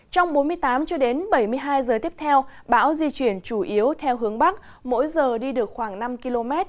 trong bốn mươi tám h cho đến bảy mươi hai h tiếp theo báo di chuyển chủ yếu theo hướng bắc mỗi giờ đi được khoảng năm km